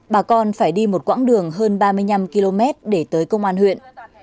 bà con phải đi một quãng đường hơn ba mươi năm km để tới công an huyện